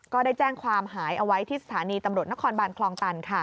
ก็ได้แจ้งความหายเอาไว้ที่สถานีตำรวจนครบานคลองตัน